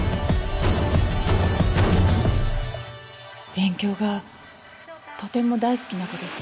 勉強がとても大好きな子でした。